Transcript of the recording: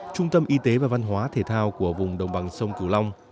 trung tâm y tế và văn hóa thể thao của vùng đồng bằng sông cửu long